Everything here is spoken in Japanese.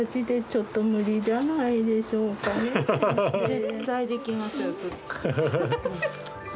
絶対できますよ。